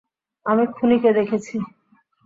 আমি খুনিকে দেখেছি।